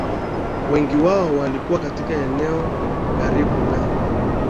Wengi wao walikuwa katika eneo karibu na